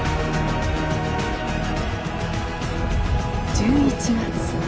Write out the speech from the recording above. １１月。